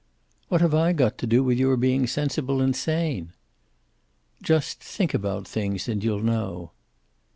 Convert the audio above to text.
"What have I got to do with your being sensible and sane?" "Just think about things, and you'll know."